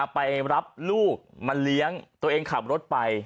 ไปรับลูกมาเลี้ยงตัวเองขับรถไป